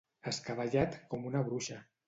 Escabellat com una bruixa.